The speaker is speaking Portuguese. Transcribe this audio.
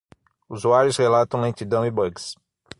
Usuários relatam lentidão e bugs